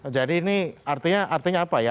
jadi ini artinya apa ya